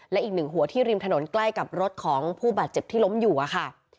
และอีกหนึ่งหัวที่ริมถนนใกล้กับรถของผู้บาดเจ็บที่ล้มอยู่อะค่ะ